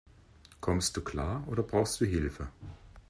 Kommst du klar, oder brauchst du Hilfe?